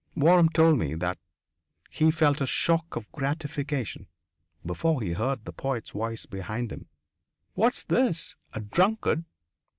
Waram told me that he felt a shock of gratification before he heard the poet's voice behind him: "What's this? A drunkard?"